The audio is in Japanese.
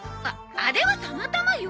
ああれはたまたまよ。